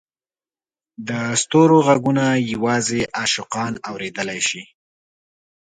د ستورو ږغونه یوازې عاشقان اورېدلای شي.